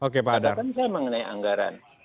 katakan saya mengenai anggaran